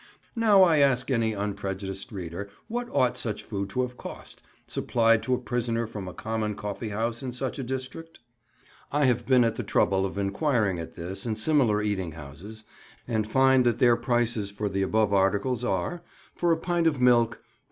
Now I ask any unprejudiced reader what ought such food to have cost, supplied to a prisoner from a common coffee house in such a district? I have been at the trouble of enquiring at this and similar eating houses, and find that their prices for the above articles are, for a pint of milk, 4d.